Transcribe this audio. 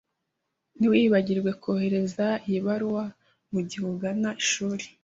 Ntiwibagirwe kohereza iyi baruwa mugihe ugana ishuri.